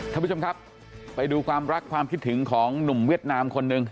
ท่านผู้ชมครับไปดูความรักความคิดถึงของหนุ่มเวียดนามคนหนึ่ง